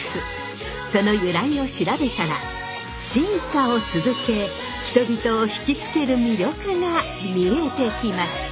その由来を調べたら進化を続け人々を惹きつける魅力が見えてきました！